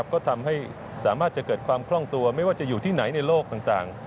ก็ทำให้สามารถจะเกิดความคล่องตัวไม่ว่าจะอยู่ที่ไหนในโลกต่าง